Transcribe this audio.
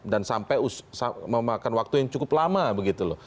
dan sampai memakan waktu yang cukup lama begitu loh